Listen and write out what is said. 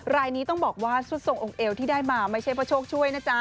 รายนี้ต้องบอกว่าสุดทรงองค์เอวที่ได้มาไม่ใช่พระโชคช่วยนะจ๊ะ